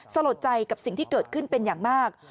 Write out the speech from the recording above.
สลดใจกับสิ่งที่เกิดขึ้นเป็นอย่างมาก